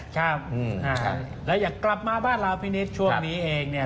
ครับแล้วอยากกลับมาบ้านเราพี่นิดช่วงนี้เองเนี่ย